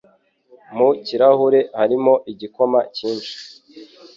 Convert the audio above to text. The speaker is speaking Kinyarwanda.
Mu kirahure harimo igikoma cyinshi